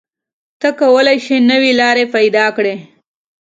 ته کولی شې نوې لارې پیدا کړې.